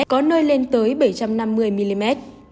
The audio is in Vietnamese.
có nơi lên tới bảy trăm năm mươi mm